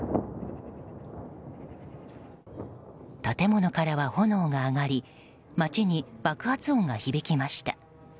建物からは炎が上がり街に爆発音が響きました。